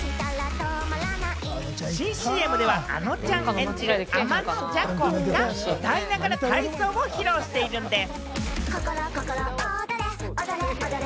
新ＣＭでは、あのちゃん演じる、あまのじゃ子が歌いながら体操を披露しているんでぃす。